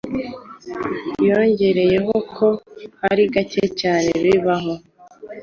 yongeraho ko ari gake cyane bibaho